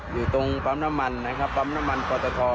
อยู่ตรงปั๊มน้ำมันนะครับปั๊มน้ำมันปอตท